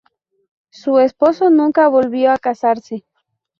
Su esposo nunca volvió a casarse.